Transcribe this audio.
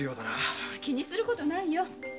気にすることはないよ。